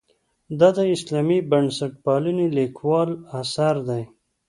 دا د اسلامي بنسټپالنې لیکوال اثر دی.